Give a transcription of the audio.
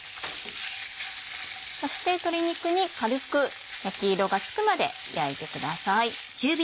そして鶏肉に軽く焼き色がつくまで焼いてください。